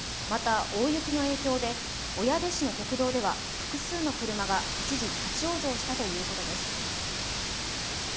また、大雪の影響で小矢部市の国道では複数の車が一部立往生したということです。